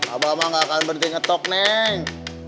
abang mah gak akan berhenti ngetok neng